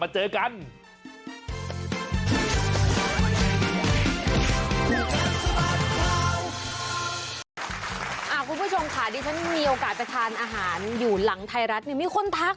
โชว์หน้าเดี๋ยวกลับมาเจอกัน